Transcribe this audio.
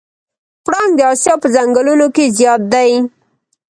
پړانګ د اسیا په ځنګلونو کې زیات دی.